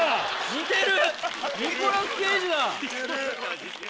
・似てる！